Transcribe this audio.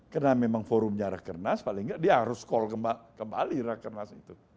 karena memang forumnya raker nas paling tidak dia harus call kembali raker nas